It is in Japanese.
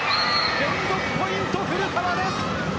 連続ポイント、古川です。